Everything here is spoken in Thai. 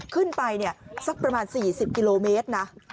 ขึ้นไปสักประมาณ๔๐กิโลเมตรนะ